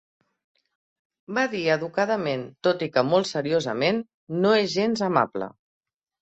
Va dir educadament, tot i que molt seriosament: "no és gens amable".